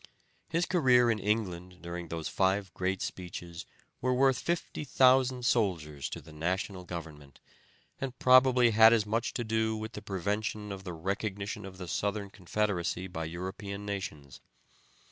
His career in England during those five great speeches were worth 50,000 soldiers to the National government, and probably had much to do with the prevention of the recognition of the Southern Confederacy by European nations.